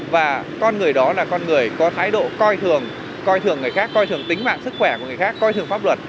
và con người đó là con người có thái độ coi thường coi thường người khác coi thường tính mạng sức khỏe của người khác coi thường pháp luật